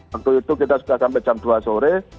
waktu itu kita sudah sampai jam dua sore